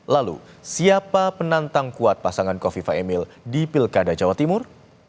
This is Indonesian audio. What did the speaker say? lalu siapa penantang kuat pasangan kofifa emil di pilkada jawa timur